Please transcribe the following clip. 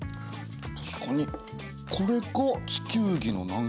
確かにこれが地球儀の南極だろ。